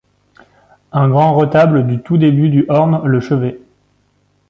Un grand retable du tout début du orne le chevet.